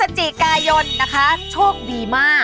เหรอพฤษจิกายนนะค่ะช่วงดีมาก